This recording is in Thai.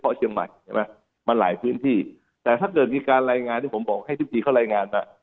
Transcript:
เพราะเชียงใหม่ใช่ไหมมันหลายพื้นที่แต่ถ้าเกิดมีการรายงานที่ผมบอกให้ทุกทีเขารายงานมา